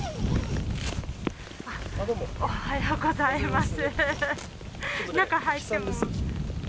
おはようございます。